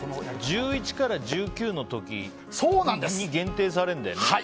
１１から１９の時に限定されるんだよね。